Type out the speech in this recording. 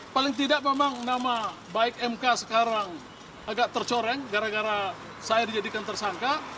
paling tidak memang nama baik mk sekarang agak tercoreng gara gara saya dijadikan tersangka